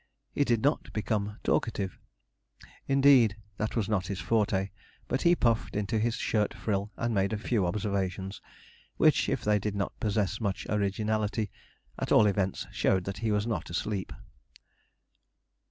He did not become talkative indeed that was not his forte, but he puffed into his shirt frill, and made a few observations, which, if they did not possess much originality, at all events showed that he was not asleep.